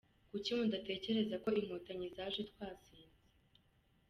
kuki mudatekereza ko inkotanyi zaje twasenze ?